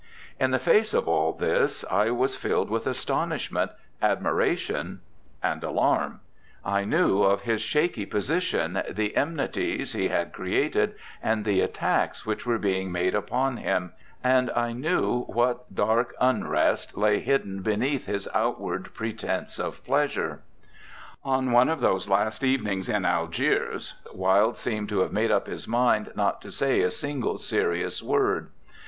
In the face of all this I was filled with astonishment, admiration, and alarm. I knew of his shaky position, the enmities he had created, and the attacks which were being made upon him, and I knew what dark unrest lay hidden beneath his outward pretence of pleasure. On one of those last evenings in Algiers, Wilde seemed to have made up his mind not to say a single serious word.